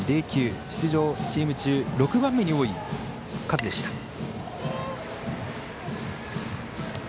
出場チーム中６番目に多い数でした。